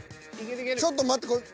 ちょっと待ってこれ。